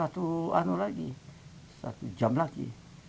tidur satu jam lagi